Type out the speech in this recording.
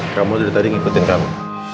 kamu dari tadi ngikutin kamu